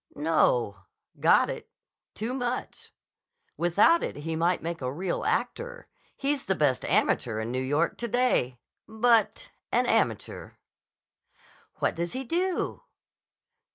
"No. Got it. Too much. Without it he might make a real actor. He's the best amateur in New York to day. But—an amateur." "What does he do?"